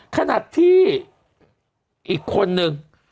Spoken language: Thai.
ขนาดที่อีกคนหนึ่ง